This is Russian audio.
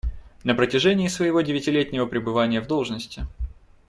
На протяжении своего девятилетнего пребывания в должности.